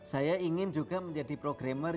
saya ingin juga menjadi programmer